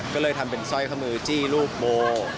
ก็เลยทำเป็นสร้อยข้อมือจี้รูปโม